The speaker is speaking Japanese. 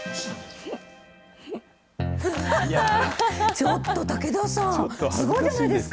ちょっと武田さん、すごくないですか？